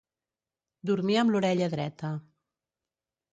Dormir amb l'orella dreta.